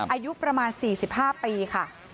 อายุประมาณ๔๕ปีค่ะ